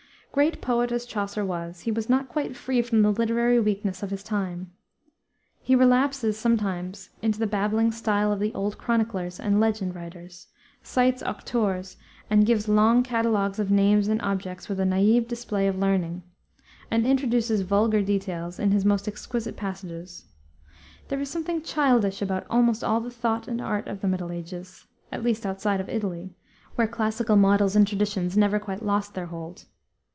Great poet as Chaucer was, he was not quite free from the literary weakness of his time. He relapses sometimes into the babbling style of the old chroniclers and legend writers; cites "auctours" and gives long catalogues of names and objects with a naïve display of learning; and introduces vulgar details in his most exquisite passages. There is something childish about almost all the thought and art of the Middle Ages at least outside of Italy, where classical models and traditions never quite lost their hold.